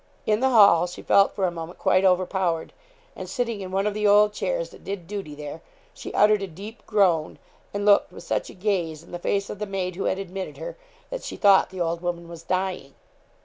In the hall, she felt for a moment quite overpowered, and sitting in one of the old chairs that did duty there, she uttered a deep groan, and looked with such a gaze in the face of the maid who had admitted her, that she thought the old woman was dying.